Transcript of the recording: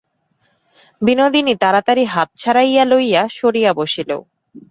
বিনোদিনী তাড়াতাড়ি হাত ছাড়াইয়া লইয়া সরিয়া বসিল।